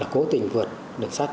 cố tình vượt đường sắt